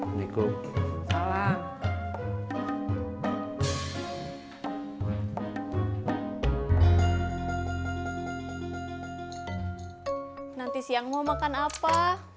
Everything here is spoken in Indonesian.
nanti siang mau makan apa